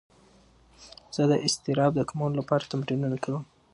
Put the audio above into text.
زه د اضطراب د کمولو لپاره تمرینونه کوم.